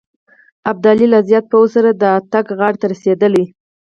ابدالي له زیات پوځ سره د اټک غاړې ته رسېدلی.